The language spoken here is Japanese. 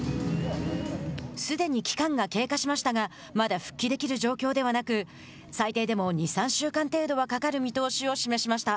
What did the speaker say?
すでに期間が経過しましたがまだ復帰できる状況ではなく最低でも二、三週間程度はかかる見通しを示しました。